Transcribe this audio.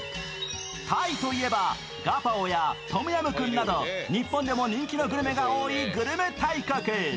タイといえばガパオやトムヤムクンなど日本でも人気のグルメが多いグルメ大国。